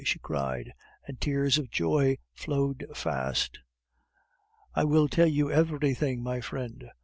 she cried, and tears of joy flowed fast. "I will tell you everything, my friend.